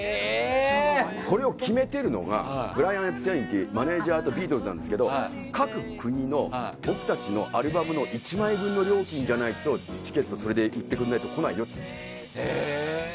これを決めているのがマネージャーとビートルズなんですけど各国の僕たちのアルバムの料金じゃないとチケットそれでいってくれないと来ないよって。